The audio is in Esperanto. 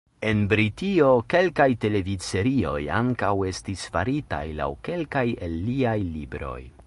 En Britio kelkaj televidserioj ankaŭ estis faritaj laŭ kelkaj el liaj libroj.